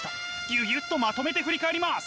ギュギュっとまとめて振り返ります！